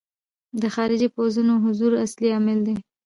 د خارجي پوځونو حضور اصلي عامل دی.